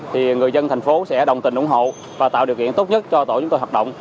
thì người dân thành phố sẽ đồng tình ủng hộ và tạo điều kiện tốt nhất cho tổ chúng tôi hoạt động